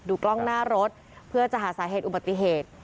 กล้องหน้ารถเพื่อจะหาสาเหตุอุบัติเหตุ